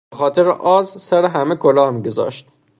به خاطر آز سر همه کلاه میگذاشت.